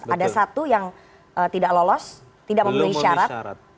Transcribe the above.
ada satu yang tidak lolos tidak memenuhi syarat